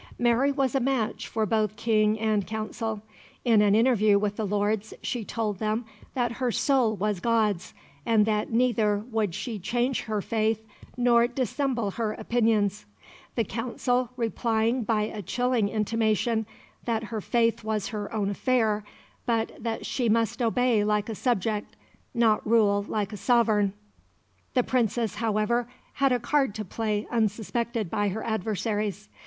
Mary was a match for both King and Council. In an interview with the Lords she told them that her soul was God's, and that neither would she change her faith nor dissemble her opinions; the Council replying by a chilling intimation that her faith was her own affair, but that she must obey like a subject, not rule like a sovereign. The Princess, however, had a card to play unsuspected by her adversaries.